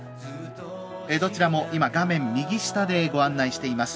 どちらも画面右下でご案内しております。